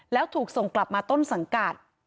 แล้วถูกส่งกลับมาต้นสังกัด